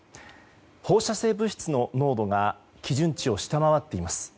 放射性物質の濃度が基準値を下回っています。